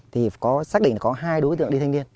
thì có xác định là có hai đối tượng đi thanh niên